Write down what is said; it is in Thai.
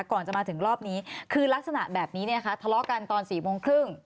ก่อนจะมาถึงรอบนี้คือลักษณะแบบนี้เนี่ยค่ะทะเลาะกันตอน๔โมงครึ่ง